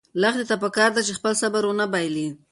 لښتې ته پکار ده چې خپل صبر ونه بایلي.